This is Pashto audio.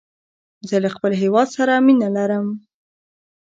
زه له خپل هېواد سره مینه لرم